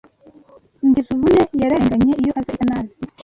Ngezubune yararenganye Iyo aza i Kanazi